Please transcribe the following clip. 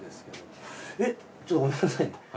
えっちょっとごめんなさいね。